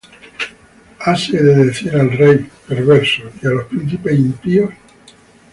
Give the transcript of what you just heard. ¿Hase de decir al rey: Perverso; Y á los príncipes: Impíos?